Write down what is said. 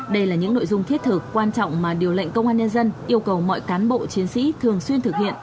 đây là những nội dung thiết thực quan trọng mà điều lệnh công an nhân dân yêu cầu mọi cán bộ chiến sĩ thường xuyên thực hiện